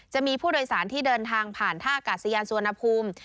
จะมีผู้โดยสารที่เดินทางผ่านท่ากาศยานสุวรรณภูมิ